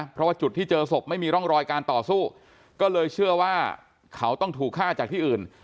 เพราะว่าจุดที่เจอศพไม่มีร่องรอยการต่อสู้ก็เลยเชื่อว่าเขาต้องถูกฆ่าจากที่อื่น